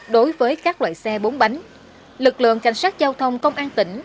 đối với các loại xe bốn bánh lực lượng cảnh sát giao thông công an tỉnh